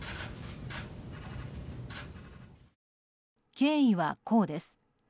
経緯は、こうです。